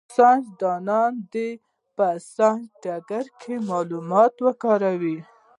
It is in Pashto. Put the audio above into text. ساینس دان دي په ساینسي ډګر کي معلومات وکاروي.